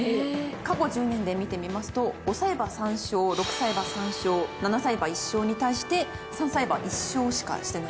過去１０年で見てみますと５歳馬３勝６歳馬３勝７歳馬１勝に対して３歳馬１勝しかしてないんですね。